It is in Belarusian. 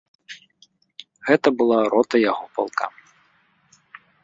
Гэта была рота яго палка.